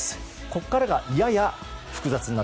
ここからやや複雑です。